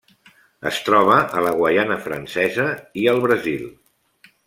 Es troba a la Guaiana Francesa i el Brasil.